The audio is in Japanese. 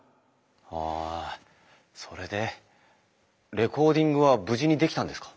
レコーディングは無事にできたんですか？